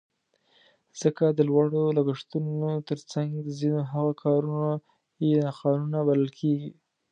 ځکه د لوړو لګښتونو تر څنګ د ځینو هغو کارونه یې ناقانونه بلل کېږي.